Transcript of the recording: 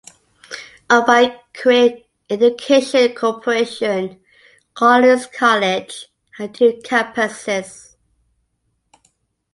Owned by Career Education Corporation, Collins College had two campuses.